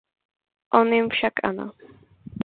On jim však ano.